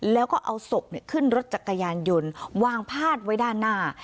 แล้วก็เอาศพขึ้นรถจักรยานยนต์วางพาดไว้ด้านหน้า